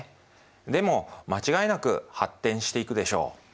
でも間違いなく発展していくでしょう。